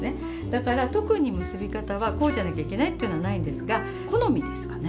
だから特に結び方はこうじゃなきゃいけないっていうのはないんですが好みですかね。